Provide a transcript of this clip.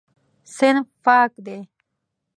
صنف پاک دی.